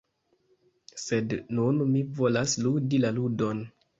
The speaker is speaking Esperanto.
Sed nun mi volas ludi la ludon.